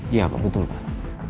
iya pak betul pak